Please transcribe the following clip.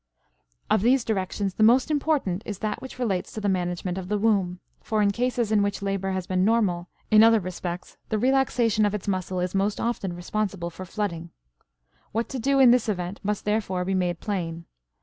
Of these directions the most important is that which relates to the management of the womb, for in cases in which labor has been normal in other respects the relaxation of its muscle is most often responsible for flooding. What to do in this event must therefore be made plain.